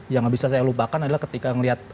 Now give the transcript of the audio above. yang bisa saya lupakan adalah ketika melihat